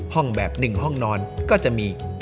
ห้องแบบ๑ห้องนอนก็จะมี